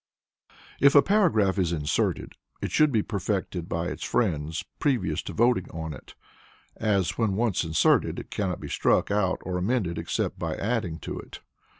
If a paragraph is inserted it should be perfected by its friends previous to voting on it, as when once inserted it cannot be struck out or amended except by adding to it.